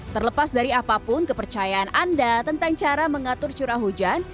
terlepas dari apapun kepercayaan anda tentang cara mengatur curah hujan